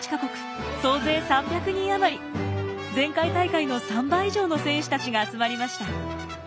前回大会の３倍以上の選手たちが集まりました。